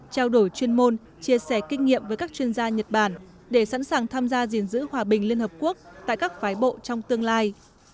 trao đổi chuyên môn chia sẻ kinh nghiệm với các chuyên gia nhật bản để sẵn sàng tham gia gìn giữ hòa bình liên hợp quốc tại các phái bộ trong tương lai